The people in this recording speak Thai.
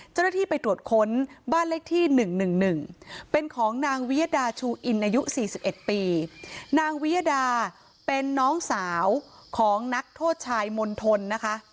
เจ้าหน้าที่ไปตรวจค้นบ้านเลขที่๑๑๑เป็นของนางวิยดาชูอินอายุ๔๑ปีนางวิยดาเป็นน้องสาวของนักโทษชายมณฑลนะคะ